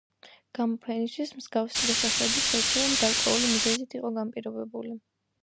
გამოფენისთვის მსგავსი დასახელების შერჩევა გარკვეული მიზეზით იყო განპირობებული.